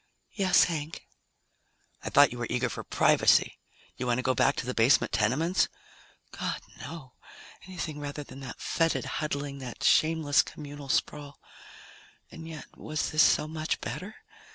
"Yes, Hank." "I thought you were eager for privacy. You want to go back to the basement tenements?" _God, no! Anything rather than that fetid huddling, that shameless communal sprawl. And yet, was this so much better?